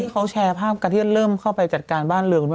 เขาแชร์ภาพการที่จะเริ่มเข้าไปจัดการบ้านเรืองด้วย